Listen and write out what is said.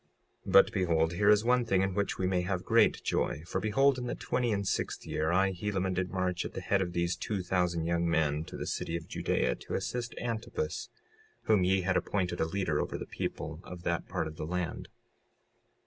56:9 But behold, here is one thing in which we may have great joy. For behold, in the twenty and sixth year, I, Helaman, did march at the head of these two thousand young men to the city of Judea, to assist Antipus, whom ye had appointed a leader over the people of that part of the land.